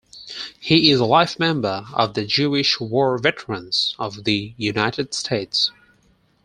He is a life member of the Jewish War Veterans of the United States.